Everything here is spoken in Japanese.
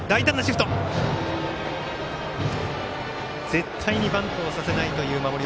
絶対にバントをさせないという守り。